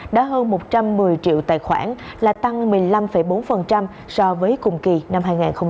đã hơn một trăm một mươi triệu tài khoản là tăng một mươi năm bốn so với cùng kỳ năm hai nghìn hai mươi ba